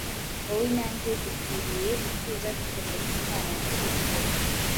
Wowe na njye dukwiriye gutuza tukemera ibyo Imana yadushyize imbere.